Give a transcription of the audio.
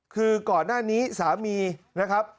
คือก่อนหน้านี้สามีนะครับ